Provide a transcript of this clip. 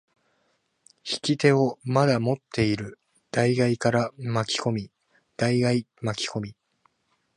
引き手をまだ持っている大外から巻き込み、大外巻き込み。